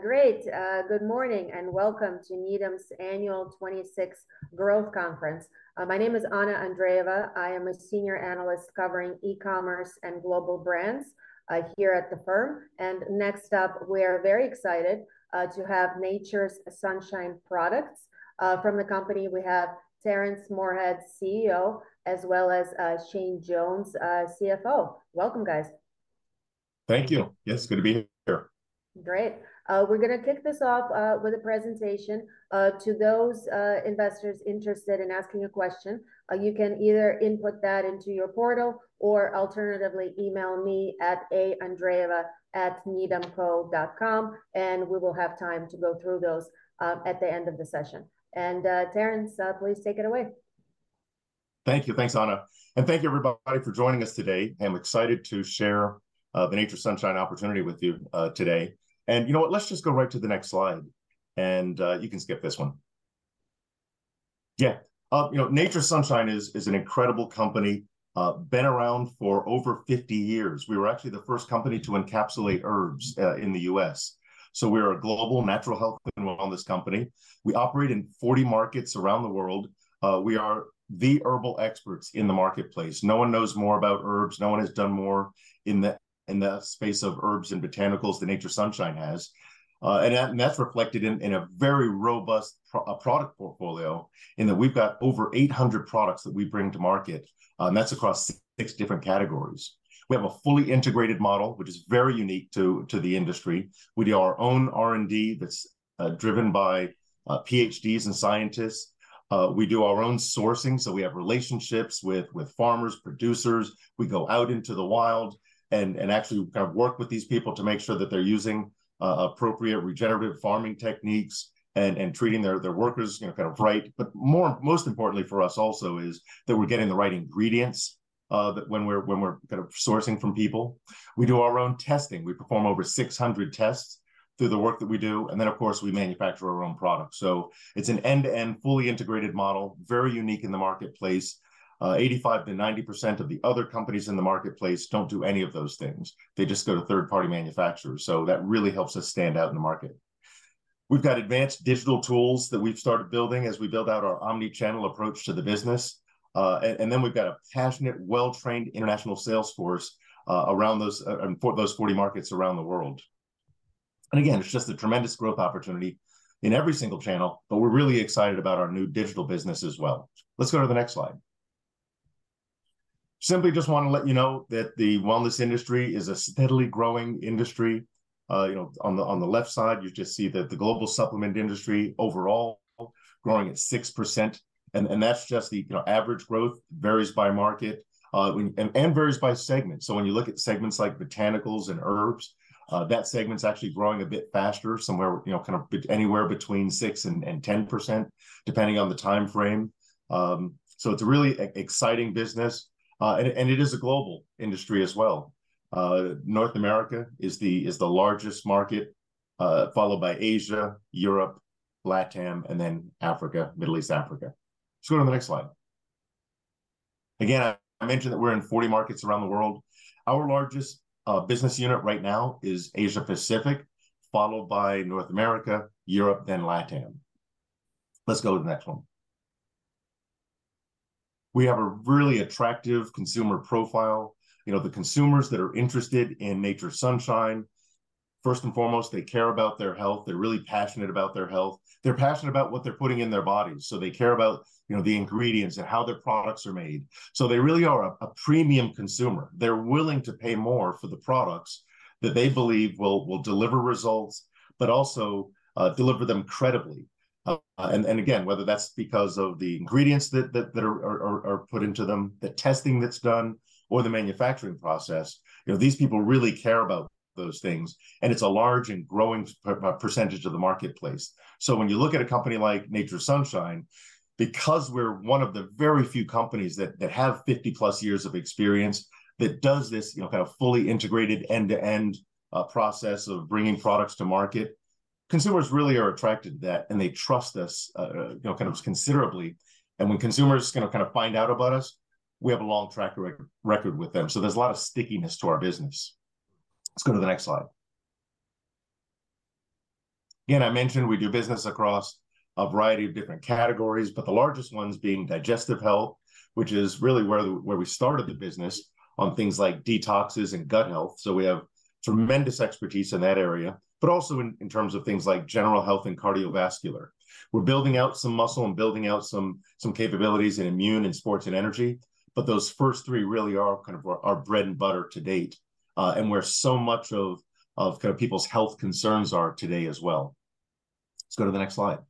Great, good morning, and welcome to Needham's 26th Annual Growth Conference. My name is Anna Andreeva. I am a senior analyst covering e-commerce and global brands here at the firm. Next up, we are very excited to have Nature's Sunshine Products. From the company, we have Terrence Moorehead, CEO, as well as Shane Jones, CFO. Welcome, guys. Thank you. Yes, good to be here. Great. We're gonna kick this off with a presentation. To those investors interested in asking a question, you can either input that into your portal or alternatively email me at aandreeva@needhamco.com, and we will have time to go through those at the end of the session. And Terrence, please take it away. Thank you. Thanks, Anna, and thank you, everybody, for joining us today. I'm excited to share the Nature's Sunshine opportunity with you today. And you know what? Let's just go right to the next slide, and you can skip this one. Yeah, you know, Nature's Sunshine is an incredible company, been around for over 50 years. We were actually the first company to encapsulate herbs in the U.S. So we're a global natural health and wellness company. We operate in 40 markets around the world. We are the herbal experts in the marketplace. No one knows more about herbs, no one has done more in the space of herbs and botanicals than Nature's Sunshine has. And that's reflected in a very robust product portfolio in that we've got over 800 products that we bring to market, and that's across six different categories. We have a fully integrated model, which is very unique to the industry. We do our own R&D that's driven by PhDs and scientists. We do our own sourcing, so we have relationships with farmers, producers. We go out into the wild and and actually kind of work with these people to make sure that they're using appropriate regenerative farming techniques and treating their workers, you know, kind of right. But most, most importantly for us also is that we're getting the right ingredients that when we're kind of sourcing from people. We do our own testing. We perform over 600 tests through the work that we do, and then, of course, we manufacture our own products. So it's an end-to-end, fully integrated model, very unique in the marketplace. 85%-90% of the other companies in the marketplace don't do any of those things. They just go to third-party manufacturers, so that really helps us stand out in the market. We've got advanced digital tools that we've started building as we build out our omni-channel approach to the business. And, and then we've got a passionate, well-trained international sales force, around those, for those 40 markets around the world. And again, it's just a tremendous growth opportunity in every single channel, but we're really excited about our new digital business as well. Let's go to the next slide. Simply just wanna let you know that the wellness industry is a steadily growing industry. You know, on the left side, you just see that the global supplement industry overall growing at 6%, and that's just the average growth, varies by market, and varies by segment. So when you look at segments like botanicals and herbs, that segment's actually growing a bit faster, somewhere, you know, kind of anywhere between 6% and 10%, depending on the time frame. So it's a really exciting business, and it is a global industry as well. North America is the largest market, followed by Asia, Europe, LatAm, and then Africa, Middle East, Africa. Let's go to the next slide. Again, I mentioned that we're in 40 markets around the world. Our largest business unit right now is Asia Pacific, followed by North America, Europe, then LatAm. Let's go to the next one. We have a really attractive consumer profile. You know, the consumers that are interested in Nature's Sunshine, first and foremost, they care about their health. They're really passionate about their health. They're passionate about what they're putting in their bodies, so they care about, you know, the ingredients and how their products are made. So they really are a premium consumer. They're willing to pay more for the products that they believe will deliver results, but also deliver them credibly. And again, whether that's because of the ingredients that are put into them, the testing that's done, or the manufacturing process, you know, these people really care about those things, and it's a large and growing percentage of the marketplace. So when you look at a company like Nature's Sunshine, because we're one of the very few companies that have 50+ years of experience, that does this, you know, kind of fully integrated, end-to-end process of bringing products to market, consumers really are attracted to that, and they trust us, you know, kind of considerably. And when consumers, you know, kind of find out about us, we have a long track record with them, so there's a lot of stickiness to our business. Let's go to the next slide. Again, I mentioned we do business across a variety of different categories, but the largest ones being digestive health, which is really where we started the business on things like detoxes and gut health. So we have tremendous expertise in that area, but also in terms of things like general health and cardiovascular. We're building out some muscle and building out some capabilities in immune and sports and energy. But those first three really are kind of our bread and butter to date, and where so much of kind of people's health concerns are today as well. Let's go to the next slide.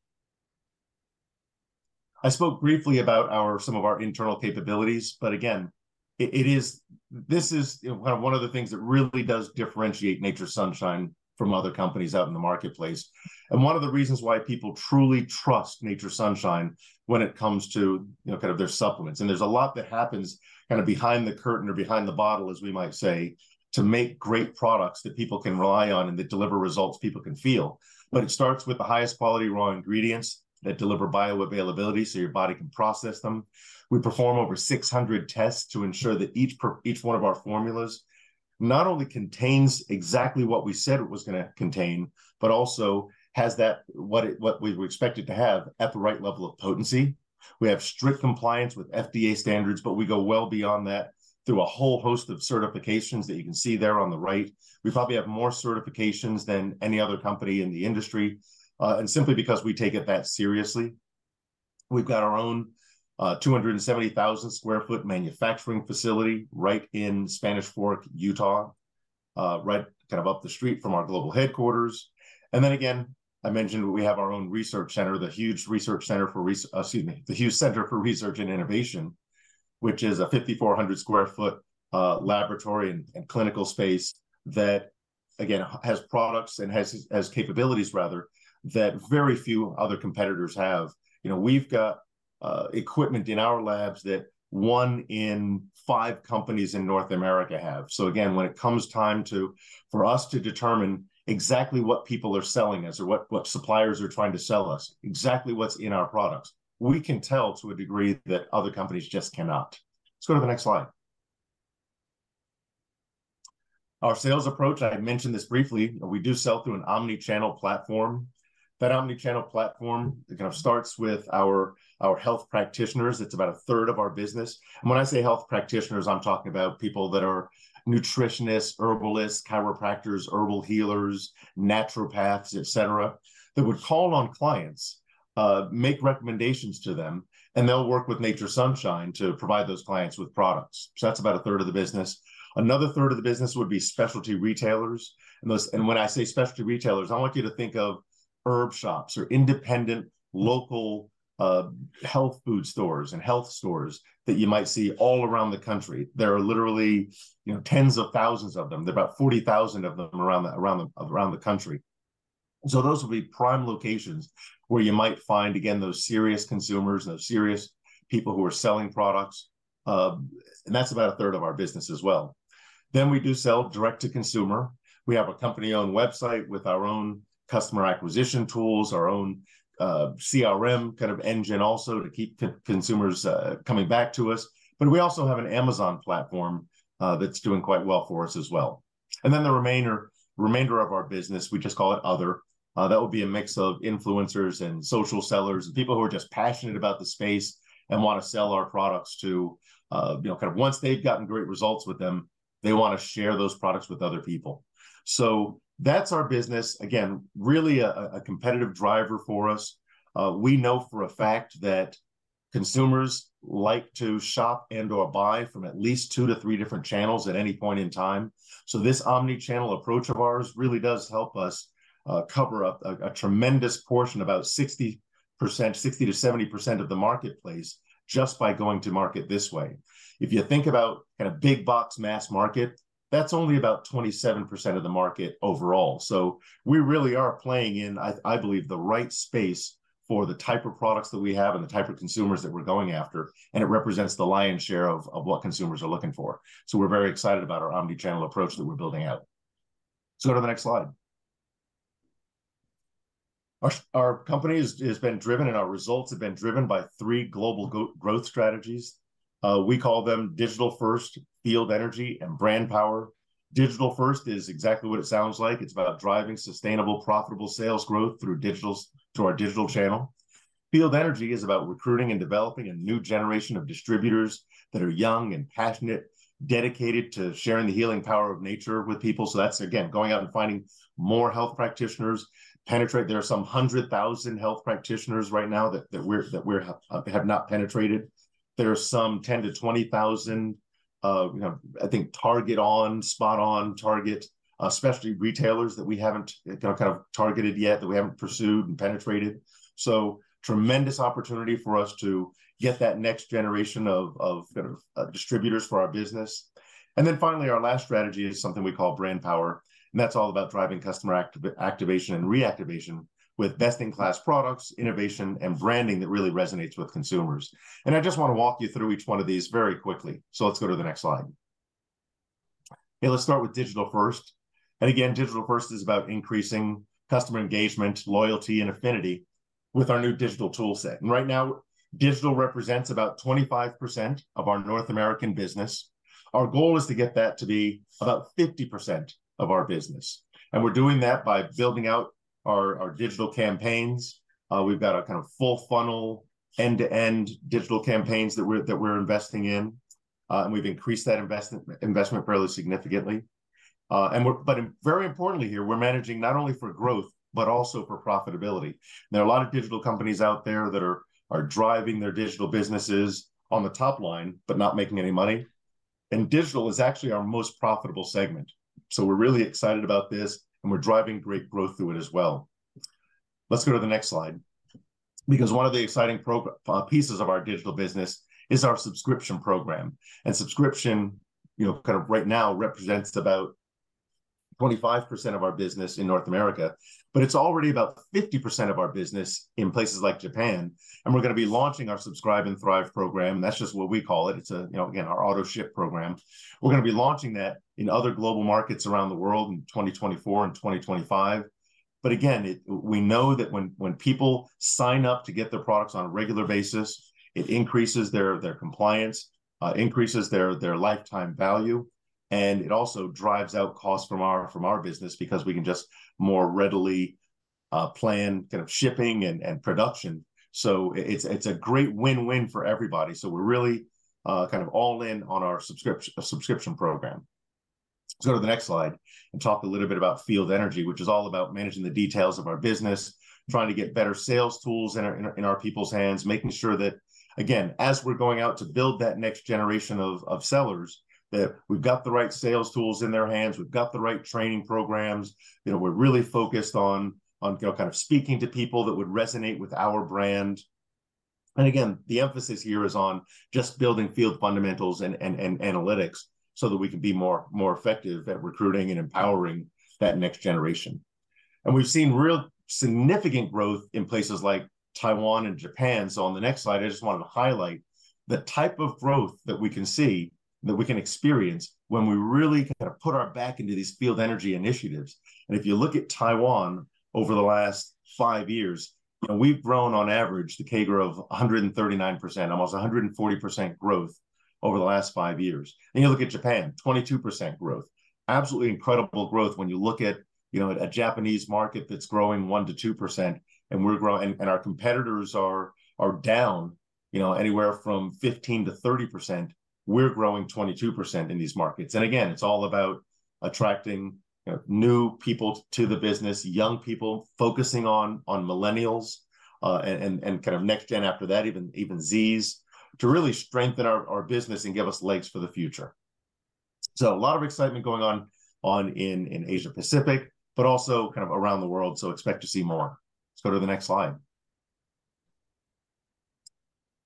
I spoke briefly about our... ...some of our internal capabilities, but again, this is, you know, one of the things that really does differentiate Nature's Sunshine from other companies out in the marketplace, and one of the reasons why people truly trust Nature's Sunshine when it comes to, you know, kind of their supplements. There's a lot that happens kind of behind the curtain or behind the bottle, as we might say, to make great products that people can rely on and that deliver results people can feel. But it starts with the highest quality raw ingredients that deliver bioavailability so your body can process them. We perform over 600 tests to ensure that each one of our formulas... ...not only contains exactly what we said it was gonna contain, but also has what we expect it to have at the right level of potency. We have strict compliance with FDA standards, but we go well beyond that through a whole host of certifications that you can see there on the right. We probably have more certifications than any other company in the industry, and simply because we take it that seriously. We've got our own 270,000 sq ft manufacturing facility right in Spanish Fork, Utah, right kind of up the street from our global headquarters. And then again, I mentioned we have our own research center, the Hughes Research Center for, Hughes Center for Research and Innovation, which is a 5,400 sq ft laboratory and clinical space that, again, has products and has capabilities rather that very few other competitors have. You know, we've got equipment in our labs that one in five companies in North America have. So again, when it comes time to, for us to determine exactly what people are selling us or what suppliers are trying to sell us, exactly what's in our products, we can tell to a degree that other companies just cannot. Let's go to the next slide. Our sales approach, I mentioned this briefly, we do sell through an omni-channel platform. That omni-channel platform, it kind of starts with our health practitioners. It's about a third of our business. And when I say health practitioners, I'm talking about people that are nutritionists, herbalists, chiropractors, herbal healers, naturopaths, et cetera, that would call on clients, make recommendations to them, and they'll work with Nature's Sunshine to provide those clients with products. So that's about a third of the business. Another third of the business would be specialty retailers, and those... And when I say specialty retailers, I want you to think of herb shops or independent local health food stores and health stores that you might see all around the country. There are literally, you know, tens of thousands of them. There are about 40,000 of them around, around the country. So those will be prime locations where you might find, again, those serious consumers and those serious people who are selling products. And that's about a third of our business as well. Then we do sell direct to consumer. We have a company-owned website with our own customer acquisition tools, our own CRM kind of engine also to keep consumers coming back to us. But we also have an Amazon platform that's doing quite well for us as well. And then the remainder, remainder of our business, we just call it other. That would be a mix of influencers and social sellers, and people who are just passionate about the space and want to sell our products to you know, kind of once they've gotten great results with them, they wanna share those products with other people. So that's our business. Again, really a competitive driver for us. We know for a fact that consumers like to shop and/or buy from at least 2-3 different channels at any point in time. So this omni-channel approach of ours really does help us cover a tremendous portion, about 60%, 60%-70% of the marketplace just by going to market this way. If you think about kind of big box mass market, that's only about 27% of the market overall. So we really are playing in, I believe, the right space for the type of products that we have and the type of consumers that we're going after, and it represents the lion's share of what consumers are looking for. So we're very excited about our omni-channel approach that we're building out. Let's go to the next slide. Our company has been driven and our results have been driven by three global growth strategies. We call them digital-first, field energy, and brand power. Digital first is exactly what it sounds like. It's about driving sustainable, profitable sales growth through digital to our digital channel. Field energy is about recruiting and developing a new generation of distributors that are young and passionate, dedicated to sharing the healing power of nature with people. So that's, again, going out and finding more health practitioners, penetrate. There are some 100,000 health practitioners right now that we, that we have not penetrated. There are some 10-20,000, you know, I think target on, spot on target, specialty retailers that we haven't kind of targeted yet, that we haven't pursued and penetrated. So tremendous opportunity for us to get that next generation of distributors for our business. And then finally, our last strategy is something we call brand power, and that's all about driving customer activation and reactivation with best-in-class products, innovation, and branding that really resonates with consumers. And I just wanna walk you through each one of these very quickly. So let's go to the next slide. Okay, let's start with digital first. And again, digital first is about increasing customer engagement, loyalty, and affinity with our new digital tool set. And right now, digital represents about 25% of our North American business. Our goal is to get that to be about 50% of our business, and we're doing that by building out our digital campaigns. We've got a kind of full funnel, end-to-end digital campaigns that we're investing in, and we've increased that investment fairly significantly. But very importantly here, we're managing not only for growth, but also for profitability. There are a lot of digital companies out there, there that are driving their digital businesses on the top line, but not making any money, and digital is actually our most profitable segment. So we're really excited about this, and we're driving great growth through it as well. Let's go to the next slide. Because one of the exciting pieces of our digital business is our subscription program, and subscription, you know, kind of right now, represents about 25% of our business in North America, but it's already about 50% of our business in places like Japan. And we're gonna be launching our Subscribe and Thrive program, and that's just what we call it. It's a, you know, again, our auto-ship program. We're gonna be launching that in other global markets around the world in 2024 and 2025. But again, it, we know that when people sign up to get the products on a regular basis, it increases their compliance, increases their lifetime value, and it also drives out costs from our, our business because we can just more readily plan kind of shipping and production. So it's a great win-win for everybody. So we're really kind of all in on our subscription program. Let's go to the next slide, and talk a little bit about field energy, which is all about managing the details of our business, trying to get better sales tools in our people's hands, making sure that, again, as we're going out to build that next generation of sellers, that we've got the right sales tools in their hands, we've got the right training programs. You know, we're really focused on, on kind of speaking to people that would resonate with our brand. And again, the emphasis here is on just building field fundamentals and and analytics so that we can be more effective at recruiting and empowering that next generation. And we've seen real significant growth in places like Taiwan and Japan. So on the next slide, I just wanna to highlight the type of growth that we can see, that we can experience when we really kind of put our back into these field energy initiatives. And if you look at Taiwan over the last five years, we've grown on average the CAGR of 139%, almost 140% growth over the last five years. And you look at Japan, 22% growth. Absolutely incredible growth when you look at, you know, a Japanese market that's growing 1%-2%, and we're growing, and our competitors are down, you know, anywhere from 15%-30%. We're growing 22% in these markets. And again, it's all about attracting, you know, new people to the business, young people, focusing on, on millennials, and, and, and kind of next gen after that, even, even Zs, to really strengthen our, our business and give us legs for the future. So a lot of excitement going on, on in, in Asia Pacific, but also kind of around the world, so expect to see more. Let's go to the next slide.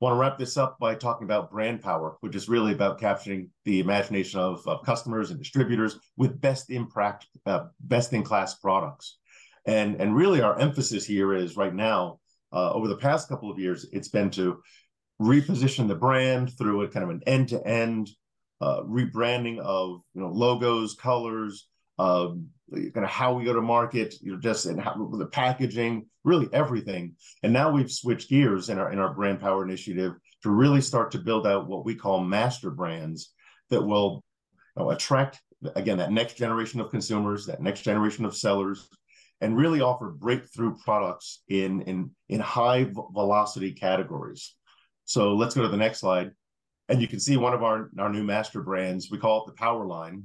We'll wrap this up by talking about brand power, which is really about capturing the imagination of, of customers and distributors with best-in-class products. And and really, our emphasis here is right now, over the past couple of years, it's been to reposition the brand through a kind of an end-to-end rebranding of, you know, logos, colors, kind of how we go to market, you know, just in how the packaging, really everything. And now we've switched gears in our brand power initiative to really start to build out what we call master brands, that will attract, again, that next generation of consumers, that next generation of sellers, and really offer breakthrough products in high velocity categories. So let's go to the next slide, and you can see one of our new master brands. We call it the Power Line,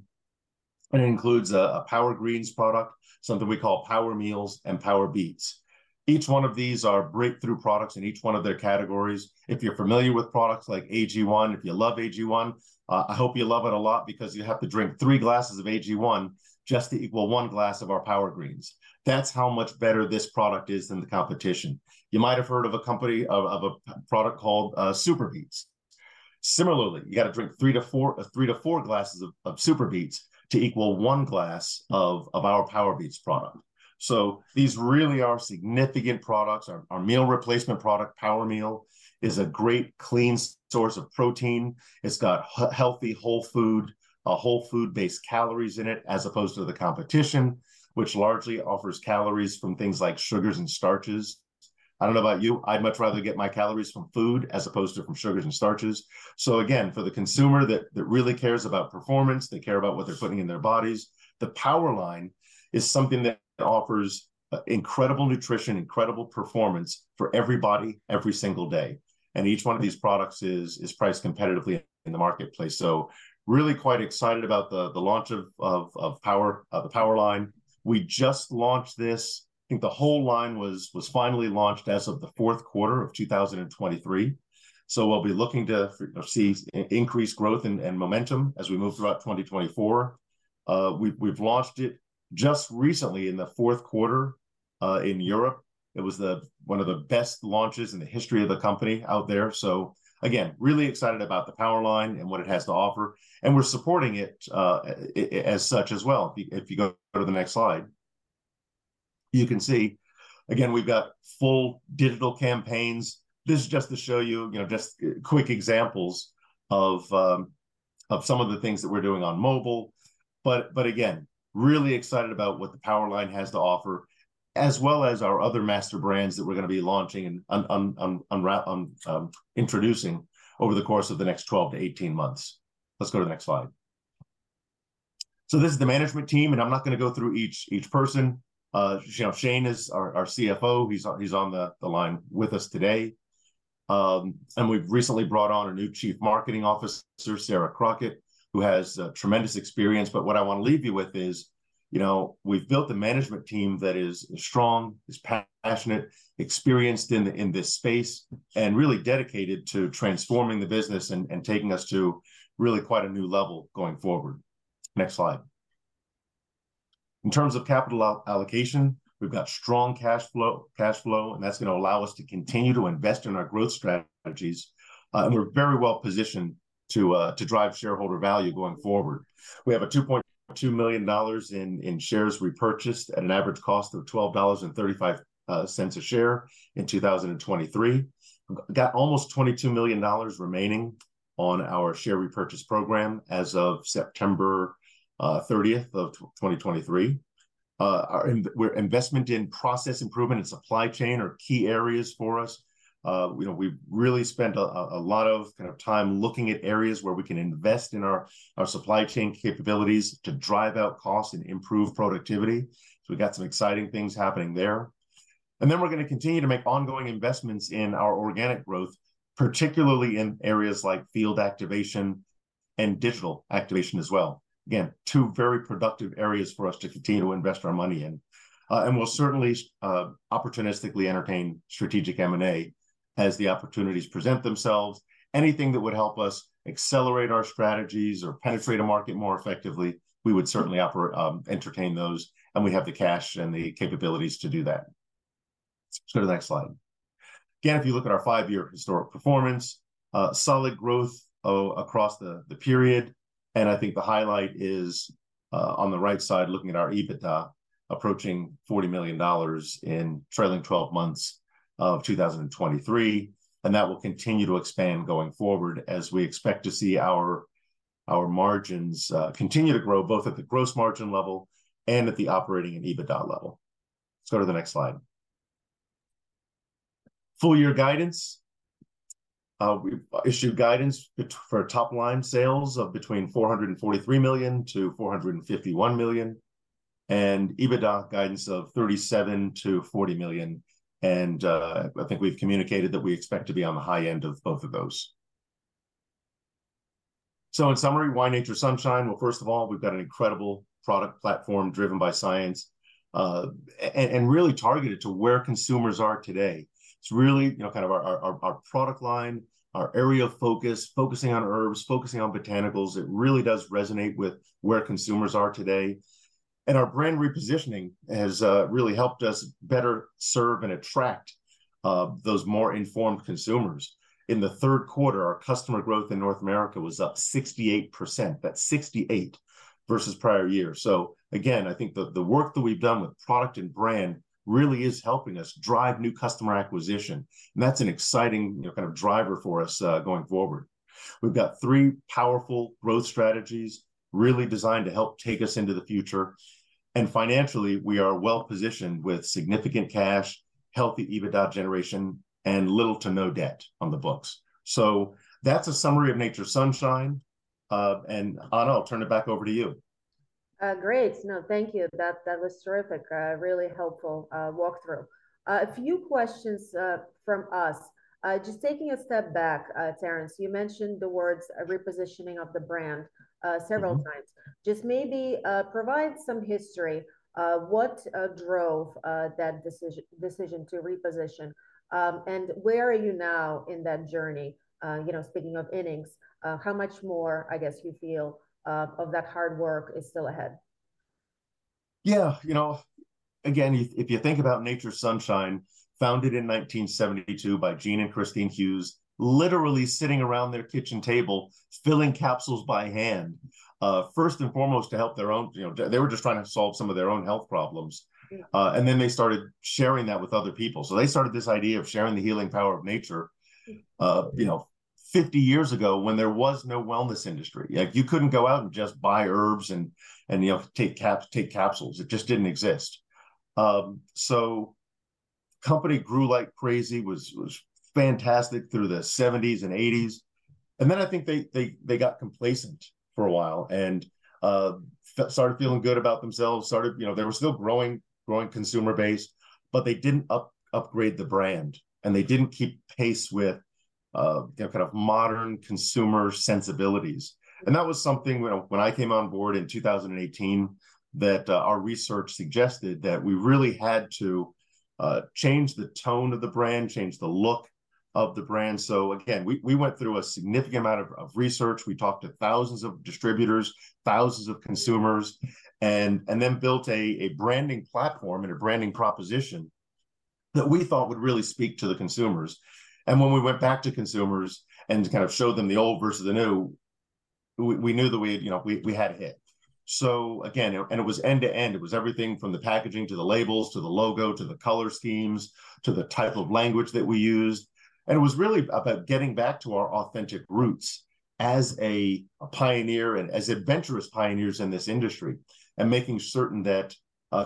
and it includes a Power Greens product, something we call Power Meals, and Power Beets. Each one of these are breakthrough products in each one of their categories. If you're familiar with products like AG1, if you love AG1, I hope you love it a lot because you have to drink three glasses of AG1 just to equal one glass of our Power Greens. That's how much better this product is than the competition. You might have heard of a product called SuperBeets. Similarly, you gotta drink 3-4 glasses of SuperBeets to equal one glass of our Power Beets product. So these really are significant products. Our meal replacement product, Power Meal, is a great, clean source of protein. It's got healthy, whole food, a whole food-based calories in it, as opposed to the competition, which largely offers calories from things like sugars and starches. I don't know about you, I'd much rather get my calories from food as opposed to from sugars and starches. So again, for the consumer that really cares about performance, they care about what they're putting in their bodies, the Power Line is something that offers incredible nutrition, incredible performance for everybody, every single day. And each one of these products is priced competitively in the marketplace. So really quite excited about the launch of the Power Line. We just launched this. I think the whole line was finally launched as of the fourth quarter of 2023. So we'll be looking to see increased growth and momentum as we move throughout 2024. We've launched it just recently in the fourth quarter in Europe. It was the one of the best launches in the history of the company out there. So again, really excited about the Power Line and what it has to offer, and we're supporting it, as such as well. If you go to the next slide, you can see again, we've got full digital campaigns. This is just to show you, you know, just quick examples of some of the things that we're doing on mobile. But again, really excited about what the Power Line has to offer, as well as our other master brands that we're gonna be launching and introducing over the course of the next 12-18 months. Let's go to the next slide. So this is the management team, and I'm not gonna go through each person. You know, Shane is our CFO. He's on the line with us today. And we've recently brought on a new Chief Marketing Officer, Sarah Crockett, who has tremendous experience. But what I want to leave you with is, you know, we've built a management team that is strong, is passionate, experienced in this space, and really dedicated to transforming the business and taking us to really quite a new level going forward. Next slide. In terms of capital allocation, we've got strong cash flow, cash flow that's gonna allow us to continue to invest in our growth strategies, and we're very well positioned to drive shareholder value going forward. We have $2.2 million in shares repurchased at an average cost of $12.35 a share in 2023. We've got almost $22 million remaining on our share repurchase program as of September 30th, 2023. Our investment in process improvement and supply chain are key areas for us. You know we've, we've really spent a lot of kind of time looking at areas where we can invest in our supply chain capabilities to drive out costs and improve productivity. So we've got some exciting things happening there. And then we're gonna continue to make ongoing investments in our organic growth, particularly in areas like field activation and digital activation as well. Again, two very productive areas for us to continue to invest our money in. And we'll certainly opportunistically entertain strategic M&A as the opportunities present themselves. Anything that would help us accelerate our strategies or penetrate a market more effectively, we would certainly entertain those, and we have the cash and the capabilities to do that. Let's go to the next slide. Again, if you look at our five-year historic performance, solid growth across the period, and I think the highlight is on the right side, looking at our EBITDA approaching $40 million in trailing 12 months of 2023, and that will continue to expand going forward as we expect to see our our margins continue to grow, both at the gross margin level and at the operating and EBITDA level. Let's go to the next slide. Full year guidance. We've issued guidance for top-line sales of between $443 million-$451 million, and EBITDA guidance of $37 million-$40 million, and I think we've communicated that we expect to be on the high end of both of those. So in summary, why Nature's Sunshine? Well, first of all, we've got an incredible product platform driven by science, and really targeted to where consumers are today. It's really, you know, kind of our, our, our product line, our area of focus, focusing on herbs, focusing on botanicals, it really does resonate with where consumers are today. And our brand repositioning has really helped us better serve and attract those more informed consumers. In the third quarter, our customer growth in North America was up 68%, that's 68%, versus prior year. So again, I think the work that we've done with product and brand really is helping us drive new customer acquisition, and that's an exciting, you know, kind of driver for us, going forward. We've got three powerful growth strategies really designed to help take us into the future, and financially, we are well-positioned with significant cash, healthy EBITDA generation, and little to no debt on the books. So that's a summary of Nature's Sunshine. And Anna, I'll turn it back over to you. Great. No, thank you. That that was terrific, a really helpful walkthrough. A few questions from us. Just taking a step back, Terrence, you mentioned the words a repositioning of the brand several times. Mm-hmm. Just maybe provide some history, what drove that decision, decision to reposition, and where are you now in that journey? You know, speaking of innings, how much more, I guess, you feel of that hard work is still ahead? Yeah. You know, again, if you think about Nature's Sunshine, founded in 1972 by Gene and Kristine Hughes, literally sitting around their kitchen table, filling capsules by hand, first and foremost to help their own... You know, they were just trying to solve some of their own health problems. Yeah. And then they started sharing that with other people. So they started this idea of sharing the healing power of nature... Mm... you know, 50 years ago when there was no wellness industry. Like, you couldn't go out and just buy herbs and, you know, take capsules. It just didn't exist. So company grew like crazy, was fantastic through the 1970s and 1980s, and then I think they they got complacent for a while and started feeling good about themselves. You know, they were still growing, growing consumer base, but they didn't upgrade the brand, and they didn't keep pace with, you know, kind of modern consumer sensibilities. Mm. And that was something, when I came on board in 2018, that our research suggested that we really had to change the tone of the brand, change the look of the brand. So again, we went through a significant amount of research. We talked to thousands of distributors, thousands of consumers, and and then built a branding platform and a branding proposition that we thought would really speak to the consumers. And when we went back to consumers and kind of showed them the old versus the new, we knew that we, you know, we had a hit. So again, it was end-to-end. It was everything from the packaging, to the labels, to the logo, to the color schemes, to the type of language that we used, and it was really about getting back to our authentic roots as a pioneer and as adventurous pioneers in this industry, and making certain that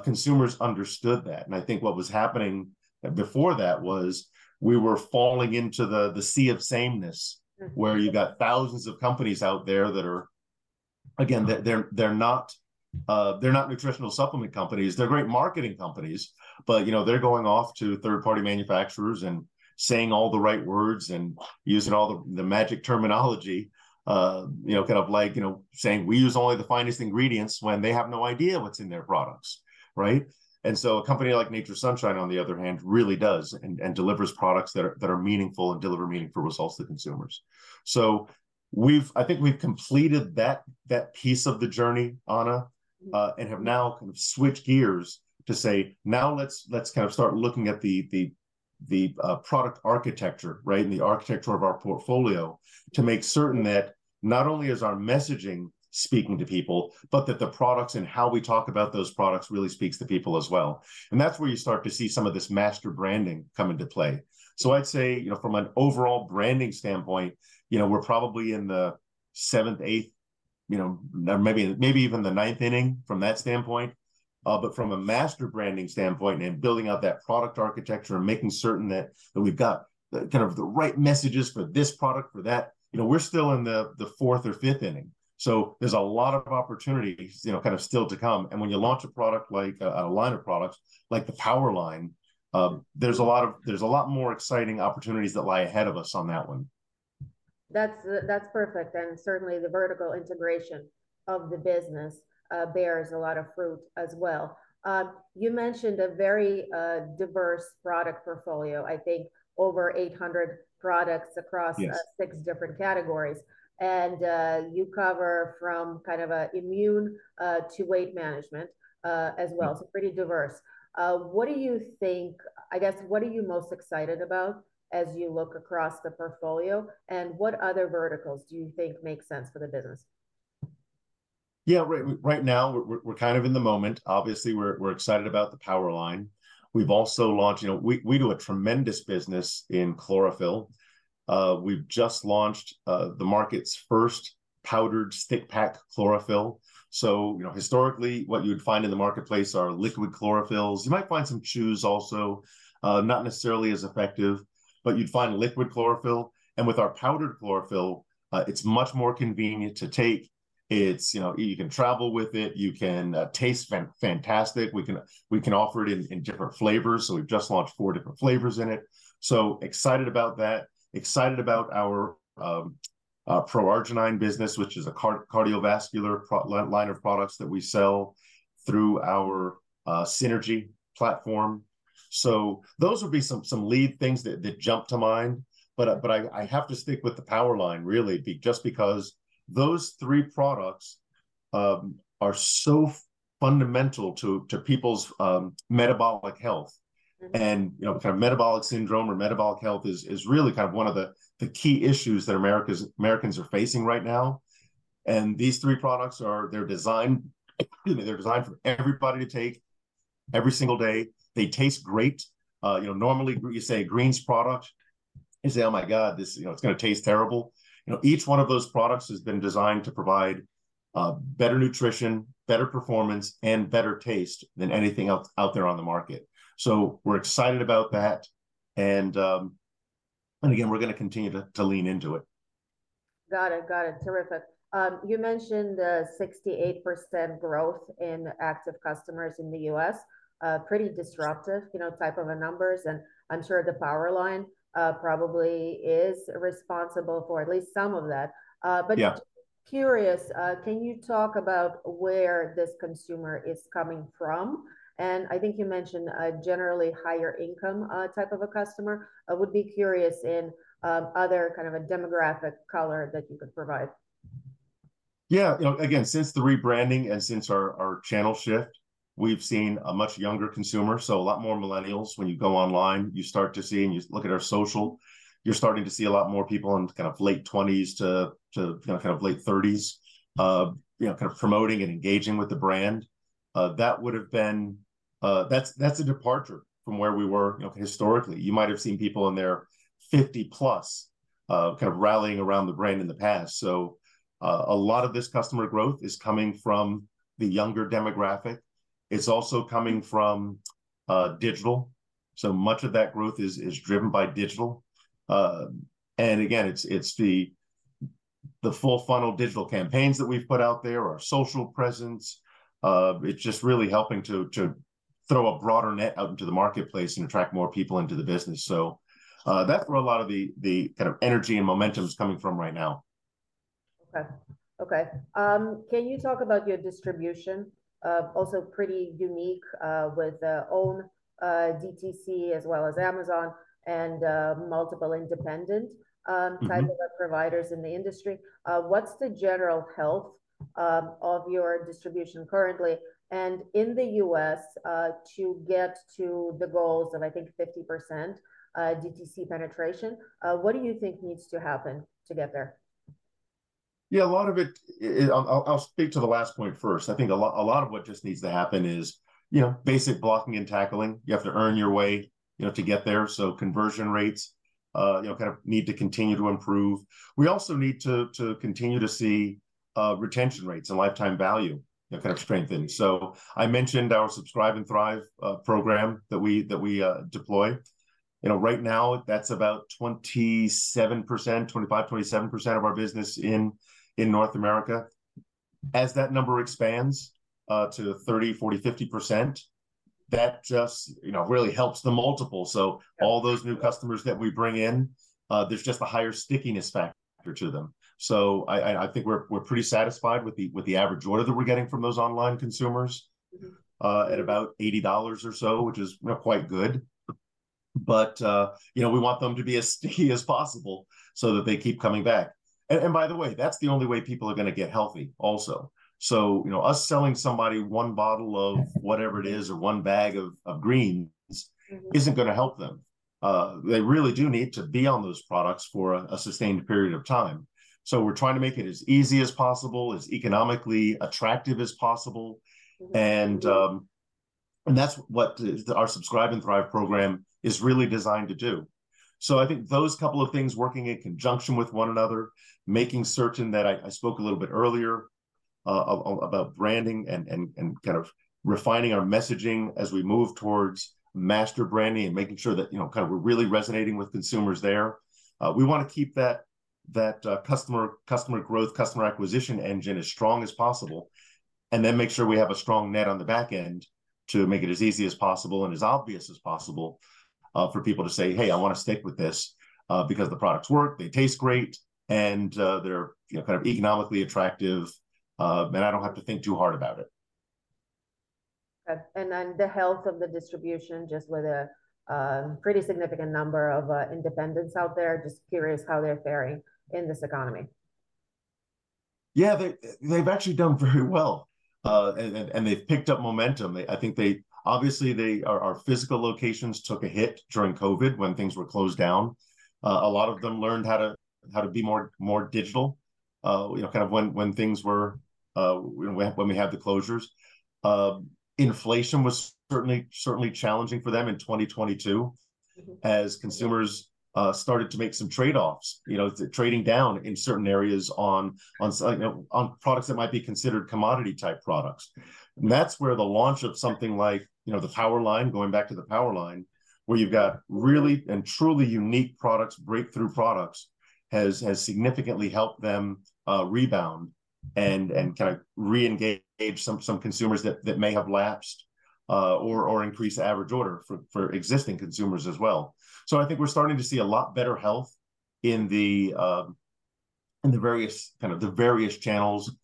consumers understood that. And I think what was happening before that was we were falling into the sea of sameness- Mm... where you've got thousands of companies out there that are, again, they're they're not, they're nutritional supplement companies. They're great marketing companies, but, you know, they're going off to third-party manufacturers and saying all the right words and using all the magic terminology. You know, kind of like, you know, saying, "We use only the finest ingredients," when they have no idea what's in their products, right? And so a company like Nature's Sunshine, on the other hand, really does and delivers products that are meaningful and deliver meaningful results to consumers. So we've... I think we've completed that that piece of the journey, Anna- Mm... and have now kind of switched gears to say, "Now let's let's kind of start looking at the product architecture, right, and the architecture of our portfolio, to make certain that not only is our messaging speaking to people, but that the products and how we talk about those products really speaks to people as well." And that's where you start to see some of this master branding come into play. So I'd say, you know, from an overall branding standpoint, you know, we're probably in the seventh, eighth... you know, maybe, maybe even the ninth inning from that standpoint. But from a master branding standpoint and building out that product architecture and making certain that we've got the kind of the right messages for this product, for that, you know, we're still in the fourth or fifth inning. There's a lot of opportunities, you know, kind of still to come. When you launch a product like a line of products, like the Power line, there's a lot, there's a lot more exciting opportunities that lie ahead of us on that one. That's, that's perfect, and certainly the vertical integration of the business, bears a lot of fruit as well. You mentioned a very, diverse product portfolio, I think over 800 products across- Yes... six different categories. And, you cover from kind of a immune, to weight management, as well. Mm-hmm. Pretty diverse. What do you think? I guess, what are you most excited about as you look across the portfolio, and what other verticals do you think make sense for the business? Yeah, right, right now, we're kind of in the moment. Obviously, we're excited about the Power line. We've also launched, you know, we do a tremendous business in chlorophyll. We've just launched the market's first powdered stick pack chlorophyll. So, you know, historically, what you would find in the marketplace are liquid chlorophylls. You might find some chews also, not necessarily as effective, but you'd find liquid chlorophyll. And with our powdered chlorophyll, it's much more convenient to take. It's, you know, you can travel with it. You can tastes fantastic. We can offer it in different flavors, so we've just launched four different flavors in it. So excited about that. Excited about our ProArgi-9 business, which is a cardiovascular line of products that we sell through our Synergy platform. So those would be some lead things that jump to mind. But I have to stick with the Power line really, just because those three products are so fundamental to people's metabolic health. Mm-hmm. And you know, kind of metabolic syndrome or metabolic health is really kind of one of the key issues that Americans are facing right now. And these three products are, they're designed, excuse me, they're designed for everybody to take every single day. They taste great. You know, normally when you say greens product, you say, "Oh, my God, this, you know, it's gonna taste terrible." You know, each one of those products has been designed to provide better nutrition, better performance, and better taste than anything else out there on the market. So we're excited about that, and again, we're gonna continue to lean into it. Got it, got it. Terrific. You mentioned the 68% growth in active customers in the U.S. Pretty disruptive, you know, type of a numbers, and I'm sure the Power line probably is responsible for at least some of that. Yeah... but curious, can you talk about where this consumer is coming from? And I think you mentioned a generally higher income, type of a customer. I would be curious in, other kind of a demographic color that you could provide. Yeah. You know, again, since the rebranding and since our channel shift, we've seen a much younger consumer, so a lot more millennials. When you go online, you start to see, and you look at our social, you're starting to see a lot more people in kind of late 20s to kind of late 30s, you know, kind of promoting and engaging with the brand. That's a departure from where we were, you know, historically. You might have seen people in their 50+, kind of rallying around the brand in the past. So, a lot of this customer growth is coming from the younger demographic. It's also coming from digital. So much of that growth is driven by digital. And again, it's it's the full funnel digital campaigns that we've put out there, our social presence. It's just really helping to throw a broader net out into the marketplace and attract more people into the business. So, that's where a lot of the the kind of energy and momentum is coming from right now. Okay. Okay, can you talk about your distribution? Also pretty unique, with our own DTC, as well as Amazon and multiple independent, Mm-hmm... type of providers in the industry. What's the general health of your distribution currently and in the U.S. to get to the goals of, I think, 50% DTC penetration? What do you think needs to happen to get there? Yeah, a lot of it, I'll speak to the last point first. I think a lot of what just needs to happen is, you know, basic blocking and tackling. You have to earn your way, you know, to get there. So conversion rates, you know, kind of need to continue to improve. We also need to continue to see retention rates and lifetime value, you know, kind of strengthen. So I mentioned our Subscribe and Thrive program that we deployed. You know, right now, that's about 27%, 25%-27% of our business in North America. As that number expands to 30%, 40%, 50%, that just, you know, really helps the multiple. So all those new customers that we bring in, there's just a higher stickiness factor to them. So I think we're pretty satisfied with the average order that we're getting from those online consumers at about $80 or so, which is, you know, quite good. But, you know, we want them to be as sticky as possible so that they keep coming back. And by the way, that's the only way people are going to get healthy also. So, you know, us selling somebody one bottle of whatever it is- Mm-hmm... or one bag of greens- Mm-hmm... isn't gonna help them. They really do need to be on those products for a sustained period of time. So we're trying to make it as easy as possible, as economically attractive as possible. Mm-hmm. And you know, and that's what our Subscribe and Thrive program is really designed to do. So I think those couple of things working in conjunction with one another, making certain that I spoke a little bit earlier about branding and kind of refining our messaging as we move towards master branding, and making sure that, you know, kind of we're really resonating with consumers there. We wanna keep that that customer growth, customer acquisition engine as strong as possible, and then make sure we have a strong net on the back end to make it as easy as possible and as obvious as possible for people to say, "Hey, I wanna stick with this because the products work, they taste great, and they're, you know, kind of economically attractive and I don't have to think too hard about it. Okay, and then the health of the distribution, just with a pretty significant number of independents out there, just curious how they're faring in this economy? Yeah, they, they've actually done very well. And they've picked up momentum. I think they obviously, our physical locations took a hit during COVID when things were closed down. A lot of them learned how to, how to be more more digital, you know, kind of when when things were you know when we had, when we had the closures. Inflation was certainly challenging for them in 2022- Mm-hmm... as consumers started to make some trade-offs, you know, trading down in certain areas on, on so, you know, on products that might be considered commodity-type products. And that's where the launch of something like, you know, the Power Line, going back to the Power Line, where you've got really and truly unique products, breakthrough products, has has significantly helped them rebound and and kind of re-engage some consumers that may have lapsed or increase the average order for existing consumers as well. So I think we're starting to see a lot better health in the, in the various, kind of the various channels,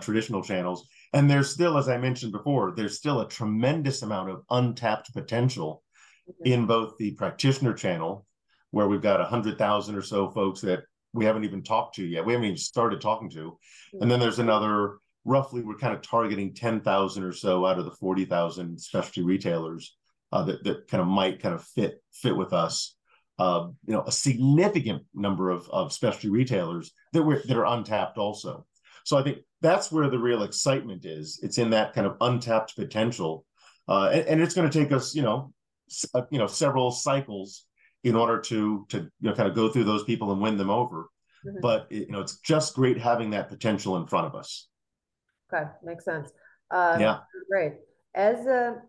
traditional channels. And there's still, as I mentioned before, a tremendous amount of untapped potential- Mm-hmm... in both the practitioner channel, where we've got 100,000 or so folks that we haven't even talked to yet, we haven't even started talking to. Mm. Then there's another, roughly we're kind of targeting 10,000 or so out of the 40,000 specialty retailers that kind of might kind of fit with us. You know, a significant number of specialty retailers that are untapped also. So I think that's where the real excitement is. It's in that kind of untapped potential. And it's gonna take us, you know, several cycles in order to you know, kind of go through those people and win them over. Mm-hmm. But it, you know, it's just great having that potential in front of us. Okay, makes sense. Yeah. Great. As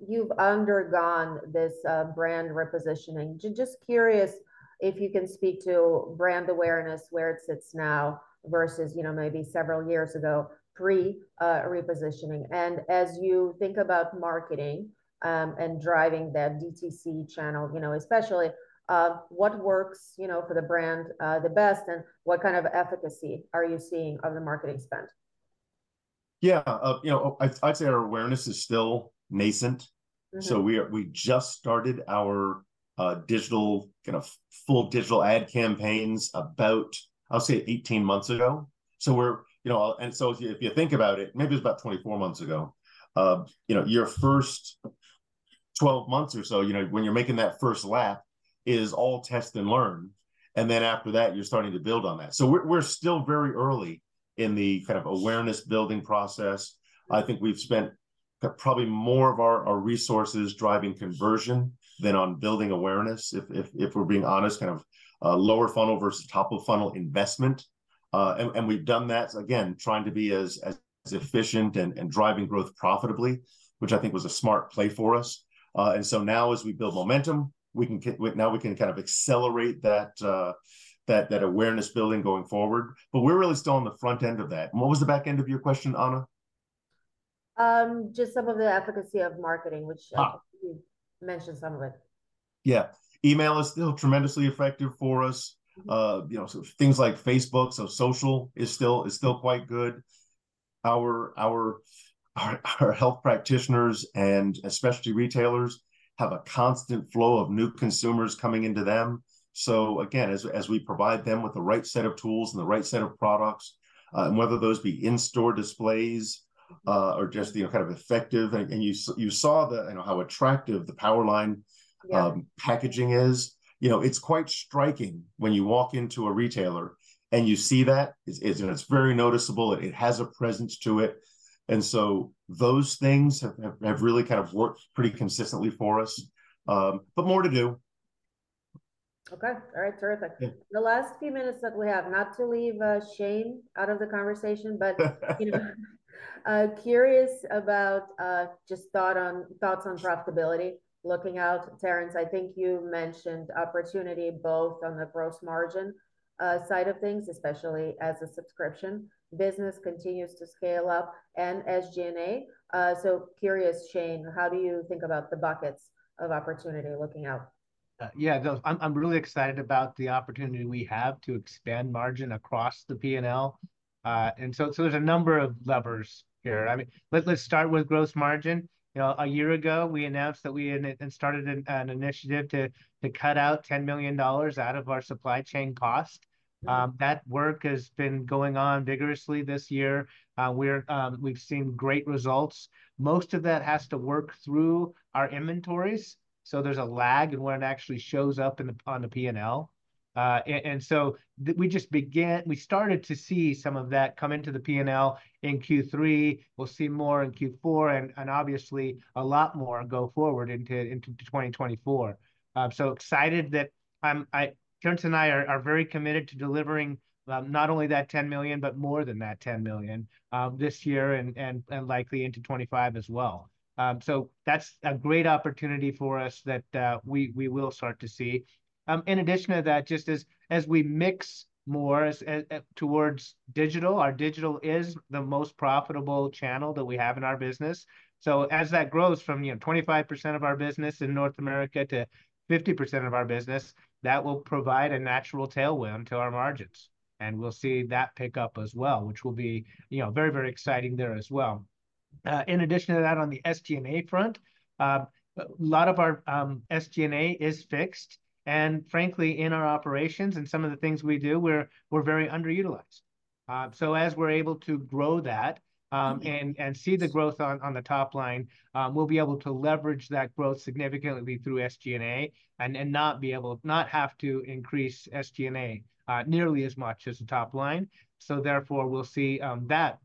you've undergone this brand repositioning, just curious if you can speak to brand awareness, where it sits now versus, you know, maybe several years ago, pre-repositioning. And as you think about marketing and driving that DTC channel, you know, especially what works, you know, for the brand the best, and what kind of efficacy are you seeing on the marketing spend? Yeah, you know, I'd say our awareness is still nascent. Mm-hmm. So we've just started our digital, you know full digital ad campaigns about, I'll say 18 months ago. So we're, you know. So if you think about it, maybe it's about 24 months ago. You know, your first 12 months or so, you know, when you're making that first lap, is all test and learn, and then after that, you're starting to build on that. So we're, we're still very early in the kind of awareness-building process. I think we've spent probably more of our resources driving conversion- Mm... than on building awareness, if we're being honest, kind of lower funnel versus top-of-funnel investment. And we've done that, again, trying to be as efficient and driving growth profitably, which I think was a smart play for us. And so now as we build momentum, we can now kind of accelerate that awareness building going forward, but we're really still on the front end of that. And what was the back end of your question, Anna? Just some of the efficacy of marketing, which- Ah... you mentioned some of it. Yeah. Email is still tremendously effective for us. Mm. You know, so things like Facebook, so social is still quite good. Our ourhealth practitioners and especially retailers have a constant flow of new consumers coming into them. So again, as we provide them with the right set of tools and the right set of products, and whether those be in-store displays, or just, you know, kind of effective... And you saw the, you know, how attractive the PowerLine- Yeah... packaging is. You know, it's quite striking when you walk into a retailer and you see that. It's very noticeable, it has a presence to it. And so those things have really kind of worked pretty consistently for us, but more to do. Okay. All right, terrific. Yeah. The last few minutes that we have, not to leave Shane out of the conversation, but you know, curious about just thoughts on, thoughts on profitability. Looking out, Terrence, I think you mentioned opportunity both on the gross margin side of things, especially as the subscription business continues to scale up, and SG&A. So curious, Shane, how do you think about the buckets of opportunity looking out? Yeah, no, I'm really excited about the opportunity we have to expand margin across the P&L. And so, there's a number of levers here. I mean, let's start with gross margin. You know, a year ago, we announced that we had started an initiative to cut out $10 million out of our supply chain cost. That work has been going on vigorously this year. We're, we've seen great results. Most of that has to work through our inventories, so there's a lag in when it actually shows up on the P&L. And and so we just began, we started to see some of that come into the P&L in Q3. We'll see more in Q4 and and obviously a lot more go forward into into 2024. So excited that I, Terrence and I are very committed to delivering not only that $10 million, but more than that $10 million this year and likely into 2025 as well. So that's, that's a great opportunity for us that we will start to see. In addition to that, just as we mix more towards digital, our digital is the most profitable channel that we have in our business. So as that grows from, you know, 25% of our business in North America to 50% of our business, that will provide a natural tailwind to our margins, and we'll see that pick up as well, which will be, you know, very, very exciting there as well. In addition to that, on the SG&A front, a lot of our SG&A is fixed, and frankly, in our operations and some of the things we do, we're very underutilized. So as we're able to grow that, and see the growth on the top line, we'll be able to leverage that growth significantly through SG&A and then not be able... not have to increase SG&A nearly as much as the top line. So therefore, we'll see on that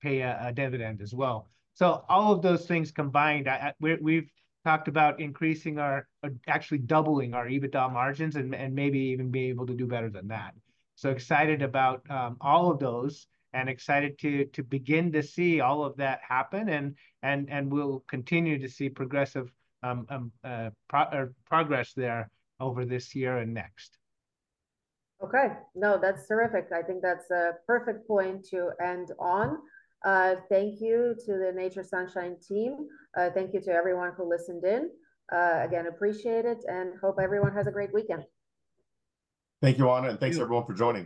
pay a dividend as well. So all of those things combined, we've talked about increasing our, actually doubling our EBITDA margins and maybe, maybe being able to do better than that. So excited about all of those, and excited to begin to see all of that happen, and and we'll continue to see progressive progress there over this year and next. Okay. No, that's terrific. I think that's a perfect point to end on. Thank you to the Nature's Sunshine team. Thank you to everyone who listened in. Again, appreciate it, and hope everyone has a great weekend. Thank you, Anna, and thanks everyone for joining.